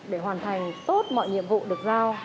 để hoàn thành tốt mọi nhiệm vụ được giao